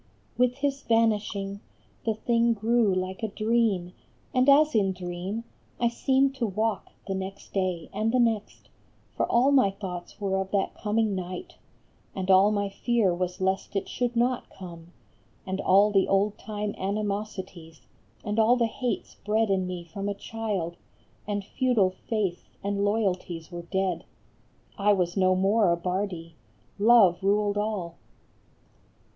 A FLORENTINE JULIET. 99 With his vanishing The thing grew like a dream, and as in dream I seemed to walk the next day and the next ; For all my thoughts were of that coming night, And all my fear was lest it should not come. And all the old time animosities, And all the hates bred in me from a child, And feudal faiths and loyalties were dead, I was no more a Bardi ; Love ruled all.